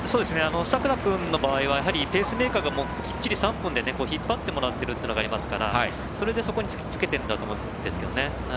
作田君はペースメーカーがきっちり３分で引っ張ってもらっているというのがありますからそれで、そこにつけているんだと思うんですけどね。